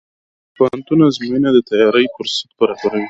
د پوهنتون ازموینې د تیاری فرصت برابروي.